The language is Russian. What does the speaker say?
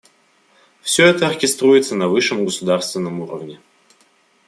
Все это оркеструется на высшем государственном уровне.